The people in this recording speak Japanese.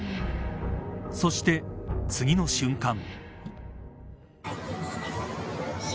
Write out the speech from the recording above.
そして次の瞬間。